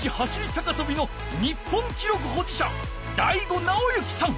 高とびの日本記録保持者醍醐直幸さん！